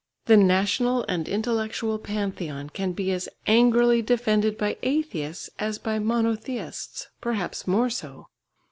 The national and intellectual Pantheon can be as angrily defended by atheists as by monotheists, perhaps more so.